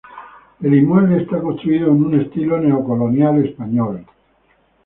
El inmueble está construido en un estilo neocolonial español.